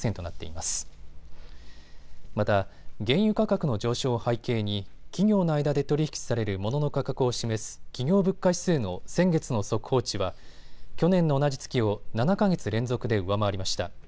また原油価格の上昇を背景に企業の間で取り引きされるモノの価格を示す企業物価指数の先月の速報値は去年の同じ月を７か月連続で上回りました。